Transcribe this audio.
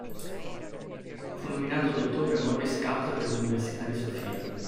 Fu nominato dottore "honoris causa" dell'Università di Sofia.